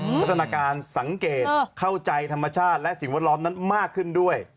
พัฒนาการสังเกตเข้าใจธรรมชาติและสิ่งแวดล้อมนั้นมากขึ้นด้วย